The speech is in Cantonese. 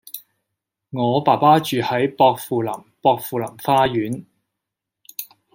我爸爸住喺薄扶林薄扶林花園